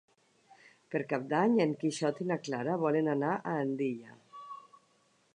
Per Cap d'Any en Quixot i na Clara volen anar a Andilla.